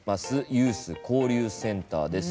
ユース交流センターです。